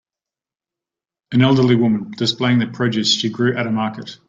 An elderly woman displaying the produce she grew at a market.